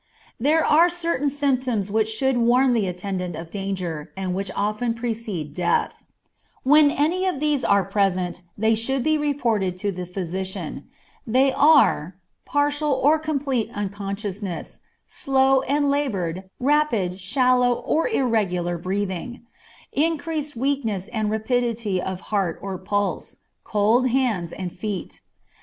There are certain symptoms which should warn the attendant of danger, and which often precede death. When any of these are present they should be reported to the physician. They are: partial or complete unconsciousness, slow and labored, rapid, shallow, or irregular breathing, increased weakness and rapidity of heart or pulse, cold hands and feet.